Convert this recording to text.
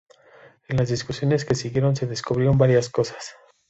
En las discusiones que siguieron se descubrieron varias cosas.